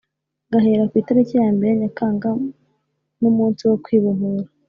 gahera ku itariki ya mbere Nyakanga numunsi wo kwibohora